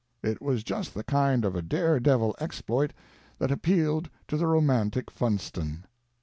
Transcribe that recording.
It was just the kind of a dare devil exploit that appealed to the romantic Funston.